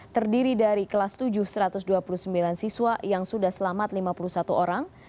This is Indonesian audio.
terdiri dari kelas tujuh satu ratus dua puluh sembilan siswa yang sudah selamat lima puluh satu orang